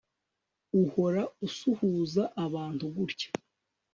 Uhora usuhuza abantu gutya